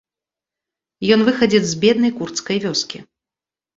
Ён выхадзец з беднай курдскай вёскі.